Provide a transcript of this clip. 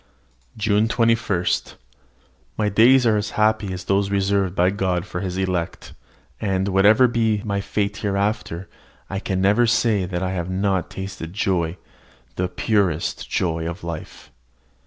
JUNE 21. My days are as happy as those reserved by God for his elect; and, whatever be my fate hereafter, I can never say that I have not tasted joy, the purest joy of life.